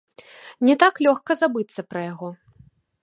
Не так лёгка забыцца пра яго.